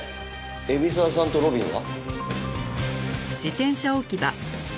海老沢さんと路敏は？